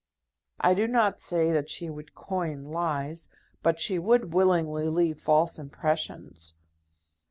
I do not say that she would coin lies, but she would willingly leave false impressions.